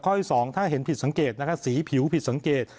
ที่สองถ้าเห็นผิดสังเกตนะคะสีผิวผิดสังเกต